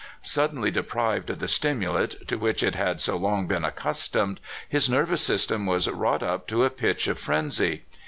Suddenly deprived of the stimulant to which it had so long been accustomed, his nervous system was wrought up to a pitch of frenzy.